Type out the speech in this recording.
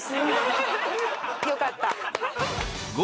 よかった。